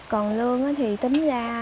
còn lương thì tính ra